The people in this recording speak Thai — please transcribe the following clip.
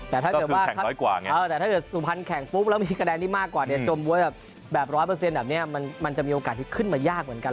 ก็คือแข่งน้อยกว่าไงแต่ถ้าสุภัณฑ์แข่งปุ๊บแล้วมีคะแนนนี้มากกว่าเนี่ยจมบ๊วยแบบ๑๐๐แบบเนี่ยมันจะมีโอกาสที่ขึ้นมายากเหมือนกัน